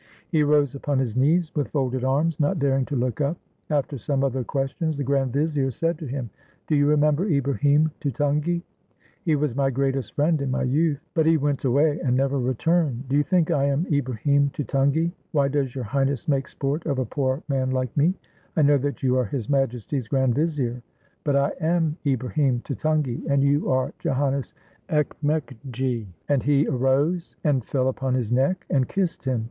He rose upon his knees, with folded arms; not daring to look up. After some other questions, the grand vizier said to him, "Do you remember Ibrahim Tutungi?" "He was my greatest friend in my youth, but he went away, and never re turned." "Do you think I am Ibrahim Tutungi?" "Why does Your Highness make sport of a poor man like me? I know that you are His Majesty's grand vizier!" "But I am Ibrahim Tutungi, and you are Joannes Ekmekgi "; and he arose, and fell upon his neck, and kissed him